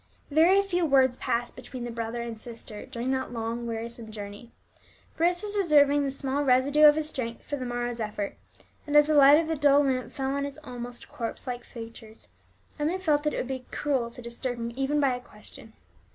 Very few words passed between the brother and sister during that long wearisome journey; Bruce was reserving the small residue of his strength for the morrow's effort, and as the light of the dull lamp fell on his almost corpse like features, Emmie felt that it would be cruel to disturb him even by a question.